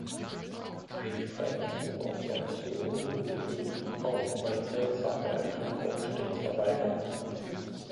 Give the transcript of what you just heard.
Eine Freilassung auf Kaution wurde ihnen auch bei ernsthafter Erkrankung stets verweigert.